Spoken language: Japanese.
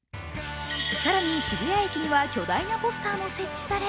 更に渋谷駅には巨大なポスターも設置され